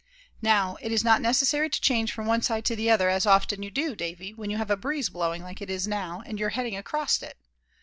"Now, it is not necessary to change from one side to the other as often as you do, Davy, when you have a breeze blowing like it is now, and you're heading across it.